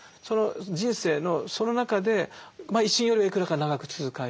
人生のその中で「一瞬よりはいくらか長く続く間」。